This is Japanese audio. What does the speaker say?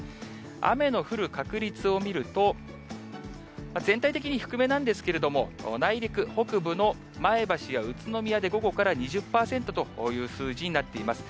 雨の降る確率を見ると、全体的に低めなんですけれども、内陸北部の前橋や宇都宮で、午後から２０％という数字になっています。